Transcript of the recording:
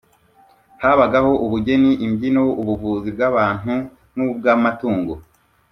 habagaho ubugeni imbyino, ubuvuzi bw'abantu n'ubw'amatungo.